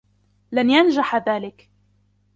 لن ينجح ذلك.